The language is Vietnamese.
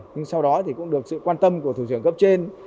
nhưng sau đó thì cũng được sự quan tâm của thủ trưởng cấp trên